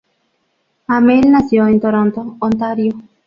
Amell nació en Toronto, Ontario.